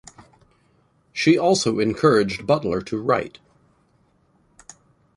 She also encouraged Butler to write.